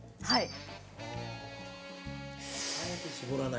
はい。